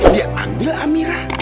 dia ambil amira